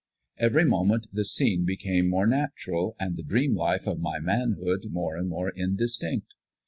Every moment the scene became more natural, and the dream life of my manhood more and more indistinct.